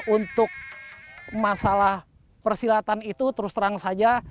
untuk masalah persilatan itu terus terang saja